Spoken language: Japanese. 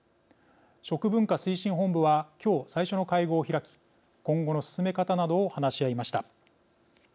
食文化推進本部は今日、最初の会合を開き今後の進め方などを話し合いました。